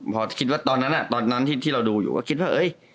แม่คิดว่าตอนนั้นที่เราดูคิดว่า